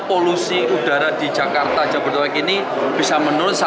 pak saksinya berapa sih pak biasanya